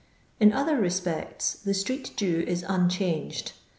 In other respects the streetJew is uaehanged.